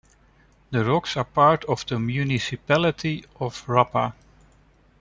The rocks are part of the municipality of Rapa.